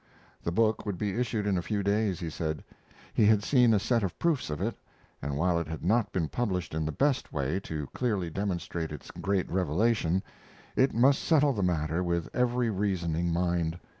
The book would be issued in a few days, he said. He had seen a set of proofs of it, and while it had not been published in the best way to clearly demonstrate its great revelation, it must settle the matter with every reasoning mind.